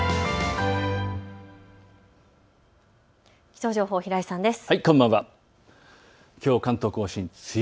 気象情報、平井さんです。